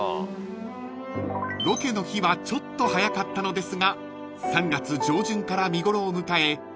［ロケの日はちょっと早かったのですが３月上旬から見頃を迎え